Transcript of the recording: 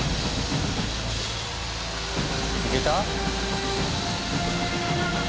いけた？